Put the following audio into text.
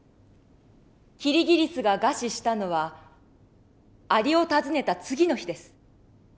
キリギリスが餓死したのはアリを訪ねた次の日です。